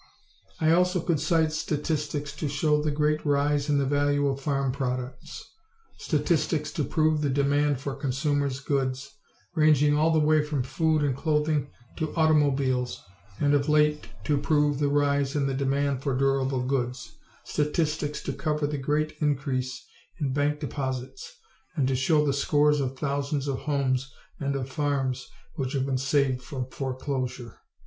I also could cite statistics to show the great rise in the value of farm products statistics to prove the demand for consumers' goods, ranging all the way from food and clothing to automobiles, and of late to prove the rise in the demand for durable goods statistics to cover the great increase in bank deposits and to show the scores of thousands of homes and of farms which have been saved from foreclosure.